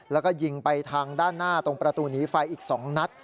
แล้วก็ยิงไปทางด้านหน้าตรงประตูหนีไฟอีก๒นัด